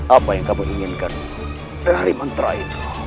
apa yang kamu inginkan dari mantra itu